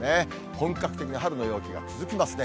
本格的な春の陽気が続きますね。